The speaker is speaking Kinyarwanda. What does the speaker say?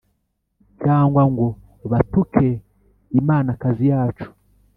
Cyangwa ngo batuke imanakazi yacu